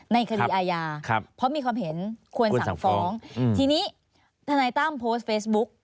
ในคดีอาญาเพราะมีความเห็นควรสั่งฟ้องทีนี้ทนายตั้มโพสต์เฟซบุ๊ก